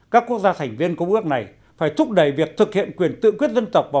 ba các quốc gia thành viên có bước này phải thúc đẩy việc thực hiện quyền tự quyết dân tộc và